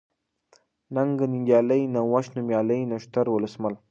ننگ ، ننگيالی ، نوښت ، نوميالی ، نښتر ، ولسمل